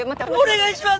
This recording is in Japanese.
お願いします！